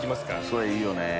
それいいよね